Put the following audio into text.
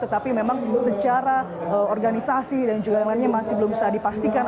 tetapi memang secara organisasi dan juga yang lainnya masih belum bisa dipastikan